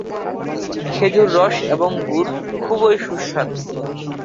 খেজুর রস এবং গুড় খুবই সুস্বাদু।